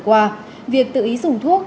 qua việc tự ý dùng thuốc